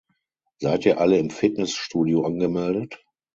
Seid ihr alle im Fitnessstudio angemeldet?